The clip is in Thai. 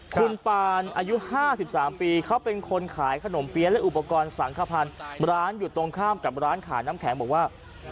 คุณปานอายุ๕๓ปีเขาเป็นคนขายขนมเปี๊ยะและอุปกรณ์สังขพันธ์ร้านอยู่ตรงข้ามกับร้านขายน้ำแข็งบอกว่า